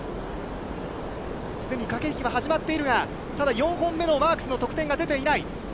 すでに駆け引きは始まっているが、ただ４本目のマークスの得点が出ていない。